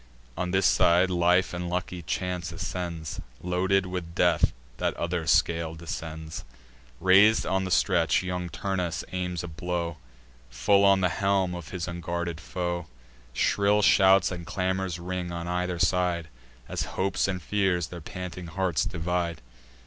On this side, life and lucky chance ascends; Loaded with death, that other scale descends. Rais'd on the stretch, young Turnus aims a blow Full on the helm of his unguarded foe: Shrill shouts and clamours ring on either side, As hopes and fears their panting hearts divide.